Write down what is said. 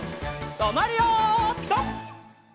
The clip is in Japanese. とまるよピタ！